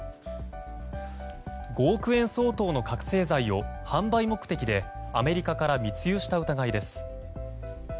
５億円相当の覚醒剤を販売目的で、アメリカから密輸した疑いです。